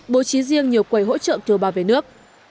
bố trí riêng nhiều quầy hỗ trợ thừa bảo vệ nước